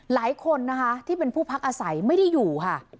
หลายคนนะคะที่เป็นผู้พักอาศัยไม่ได้อยู่ค่ะ